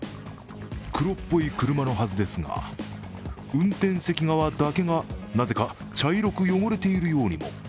黒っぽい車のはずですが、運転席側だけがなぜか茶色く汚れているようにも。